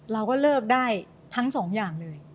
เราก็เลิกได้ทั้งสองอย่างเลย